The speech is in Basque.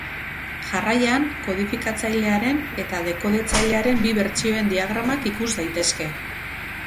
Jarraian, kodifikatzailearen eta deskodetzailearen bi bertsioen diagramak ikus daitezke.